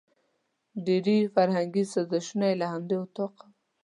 ډېري فرهنګي سازشونه یې له همدې وطاقه وو.